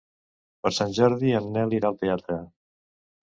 Per Sant Jordi en Nel irà al teatre.